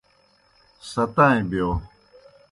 ستائیں بِیو۔